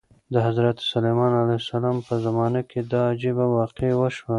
د حضرت سلیمان علیه السلام په زمانه کې دا عجیبه واقعه وشوه.